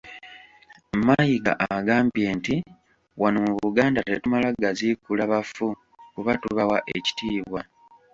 Mayiga agambye nti; wano mu Buganda tetumala gaziikula bafu kuba tubawa ekitiibwa.